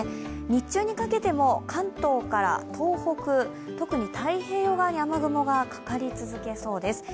日中にかけても関東から東北、特に太平洋側に雨雲がかかり続けそうです。